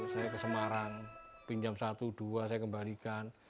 saya ke semarang pinjam satu dua saya kembalikan